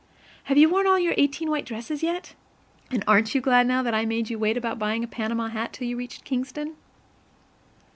Have you worn all of your eighteen white dresses yet? And aren't you glad now that I made you wait about buying a Panama hat till you reached Kingston?